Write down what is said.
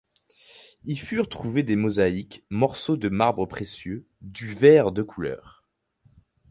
Y furent trouvées des mosaïques, morceaux de marbres précieux, du verre de couleur.